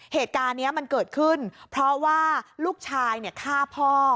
เหตุการณ์นี้มันเกิดขึ้นเพราะว่าลูกชายฆ่าพ่อ